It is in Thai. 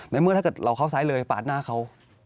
เมื่อถ้าเกิดเราเข้าซ้ายเลยปาดหน้าเขา